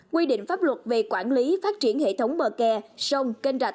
quy định pháp luật về quản lý phát triển hệ thống bờ kè sông kênh rạch